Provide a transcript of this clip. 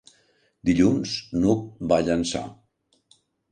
Dilluns n'Hug va a Llançà.